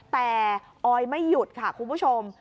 แต่ออยไม่หยุดค่ะคุณผู้ชม